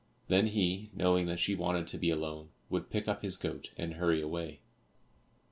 Then he, knowing that she wanted to be alone, would pick up his goat and hurry away.